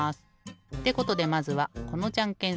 ってことでまずはこのじゃんけん装置。